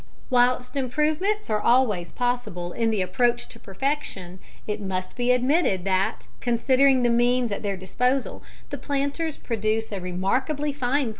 Whilst improvements are always possible in the approach to perfection, it must be admitted that, considering the means at their disposal, the planters produce a remarkably fine product.